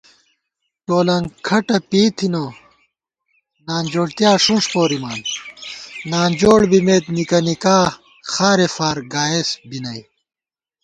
ٹولَنگ کھٹہ پېئی تھنہ، نانجوڑتیا ݭُونݭ پورِمان * نانجوڑ بِمېت نِکہ نِکا خارےفارگائیس بی نئ